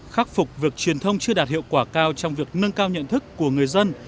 khắc phục việc truyền thông chưa đạt hiệu quả cao trong việc nâng cao nhận thức của người dân